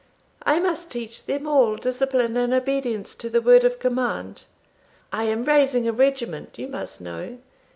I must teach them all discipline and obedience to the word of command. I am raising a regiment, you must know.